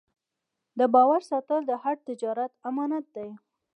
د باور ساتل د هر تجارت امانت دی.